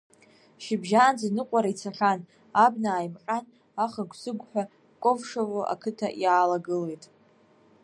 Шьыбжьаанӡа ныҟәара ицахьан, абна ааимҟьан, ахыгә-сыгәҳәа Ковшово ақыҭа иаалагылеит.